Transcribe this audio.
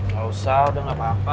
gak usah udah gak apa apa